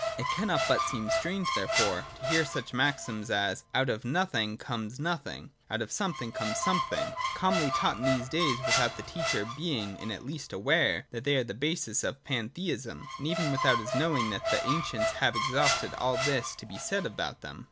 It cannot but seem strange, therefore, to hear such maxims as, ' Out of nothing comes nothing : Out of something comes something,' calmly taught in these days, without the teacher being in the least aware that they are the basis of Pantheism, and even without his knowing that the ancients have exhausted all that is to be said about them.